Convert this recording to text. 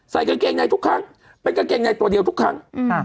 กางเกงในทุกครั้งเป็นกางเกงในตัวเดียวทุกครั้งอืม